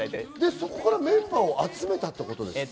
そこからメンバーを集めたんですか？